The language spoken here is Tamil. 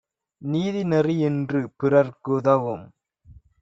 நீதிநெறி யினின்று பிறர்க்கு தவும்